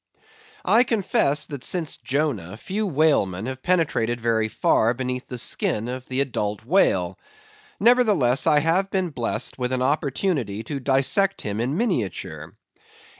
I confess, that since Jonah, few whalemen have penetrated very far beneath the skin of the adult whale; nevertheless, I have been blessed with an opportunity to dissect him in miniature.